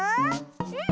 うん！